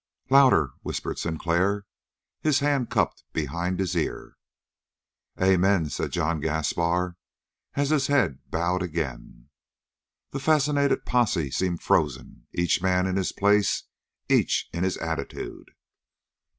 "Louder!" whispered Sinclair, his hand cupped behind his ear. "Amen," said John Gaspar, as his head bowed again. The fascinated posse seemed frozen, each man in his place, each in his attitude.